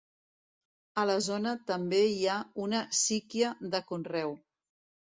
A la zona també hi ha una síquia de conreu.